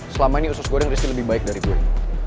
selama ini usus goreng rizky lebih baik dari gue